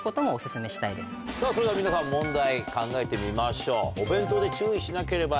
さぁそれでは皆さん問題考えてみましょう。